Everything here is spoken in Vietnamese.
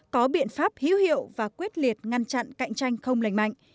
có biện pháp hiếu hiệu và quyết liệt ngăn chặn cạnh tranh không lành mạnh